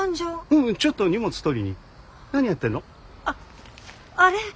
あっあれ。